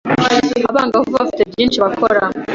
abangavu bafite byinshi bakora